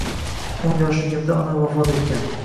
O`n yoshligimda onam vafot etgan